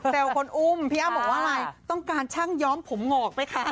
คนอุ้มพี่อ้ำบอกว่าอะไรต้องการช่างย้อมผมหงอกเลยค่ะ